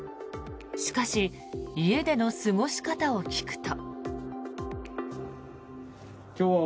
しかし、家での過ごし方を聞くと。